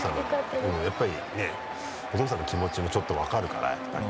うんやっぱりねお父さんの気持ちもちょっと分かるからやっぱり。